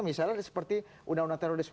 misalnya seperti undang undang terorisme